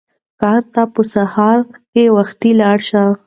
کار ته په سهار کې وختي لاړ شه.